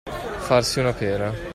Farsi una pera.